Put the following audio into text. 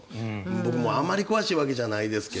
僕もあまり詳しいわけじゃないですけど。